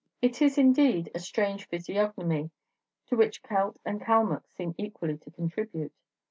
It is, indeed, a strange physiognomy, to which Celt and Calmuc seem equally to contribute.